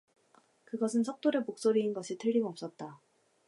그것은 석 돌의 목소리인 것이 틀림없었다.